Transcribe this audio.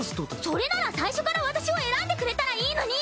それなら最初から私を選んでくれたらいいのに！